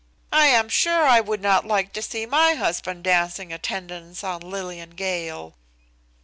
"I am sure I would not like to see my husband dancing attendance on Lillian Gale."